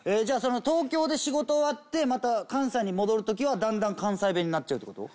じゃあ東京で仕事終わってまた関西に戻る時はだんだん関西弁になっちゃうって事？